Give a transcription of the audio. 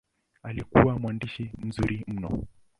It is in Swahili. Alikuwa mwandishi mzuri mno.